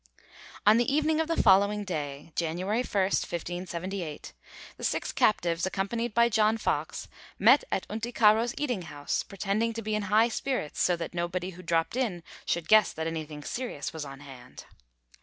On the evening of the following day, January 1, 1578, the six captives accompanied by John Fox met at Unticaro's eating house, pretending to be in high spirits so that nobody who dropped in should guess that anything serious was on hand.